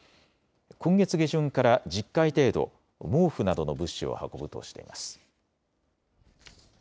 今月下旬から１０回程度、毛布などの物資を運ぶとしています。